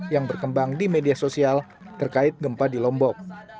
yang berkembang di media sosial terkait gempa di lombok